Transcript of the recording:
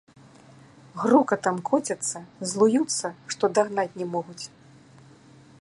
Грукатам коцяцца, злуюцца, што дагнаць не могуць.